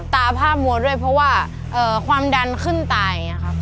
ตาผ้ามัวด้วยเพราะว่าความดันขึ้นตายอย่างนี้ครับ